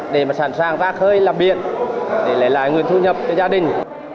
để mà sẵn sàng ra khơi làm biện để lấy lại nguyên thu nhập cho gia đình